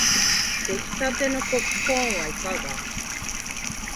できたてのポップコーンはいかが